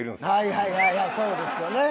はいはいそうですよね。